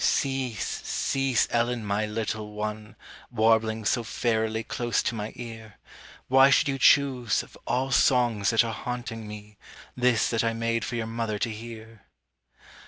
Cease, cease, Ellen, my little one, Warbling so fairily close to my ear; Why should you choose, of all songs that are haunting me, This that I made for your mother to hear?